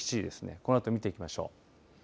このあと見ていきましょう。